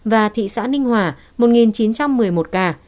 và thị xã ninh hòa một chín trăm một mươi một ca